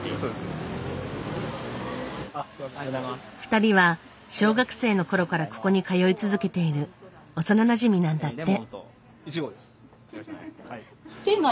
２人は小学生の頃からここに通い続けている幼なじみなんだって。